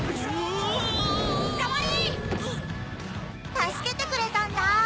助けてくれたんだ！